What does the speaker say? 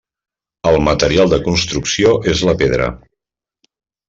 El material de construcció és la pedra.